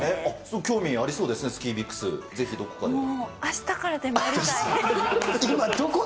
興味ありそうですね、スキービクス、ぜひどこかで。